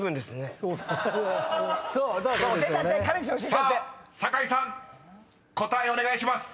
［さあ酒井さん答えお願いします］